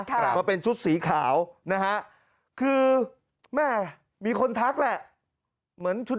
มาเป็นชุดสีขาวนะฮะคือแม่มีคนทักแหละเหมือนชุด